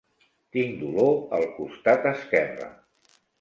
Tinc dolor al costat esquerre.